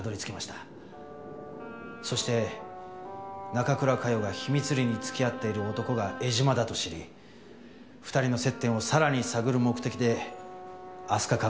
そして中倉佳世が秘密裏に付き合っている男が江島だと知り２人の接点をさらに探る目的で飛鳥観光へ出向いたんです。